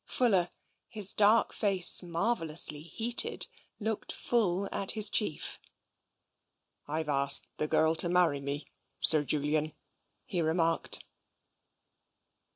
Fuller, his dark face marvellously heated, looked full at his chief. " Fve asked the girl to marry me, Sir Julian," he re marked.